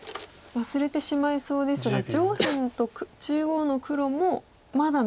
忘れてしまいそうですが上辺と中央の黒もまだ眼がない。